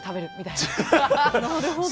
なるほど。